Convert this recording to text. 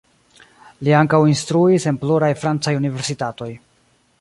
Li ankaŭ instruis en pluraj francaj universitatoj.